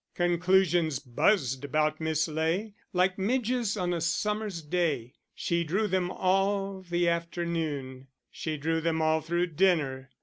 Conclusions buzzed about Miss Ley, like midges on a summer's day. She drew them all the afternoon; she drew them all through dinner.